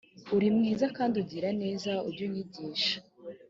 uri mwiza kandi ugira neza ujye unyigisha